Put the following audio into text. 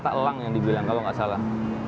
ini adalah fakta elang yang dibilang kalau tidak salah